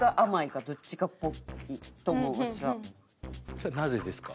それはなぜですか？